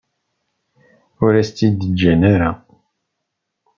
Ur as-tt-id-ǧǧan ara.